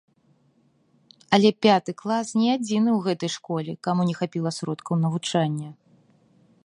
Але пяты клас не адзіны ў гэтай школе, каму не хапіла сродкаў навучання.